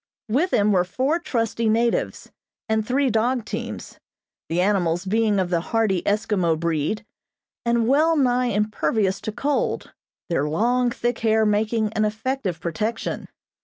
With him were four trusty natives, and three dog teams, the animals being of the hardy Eskimo breed, and well nigh impervious to cold, their long, thick hair making an effective protection.